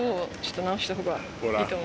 ほら。